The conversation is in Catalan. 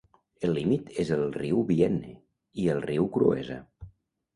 El límit és el riu Vienne i el riu Cruesa.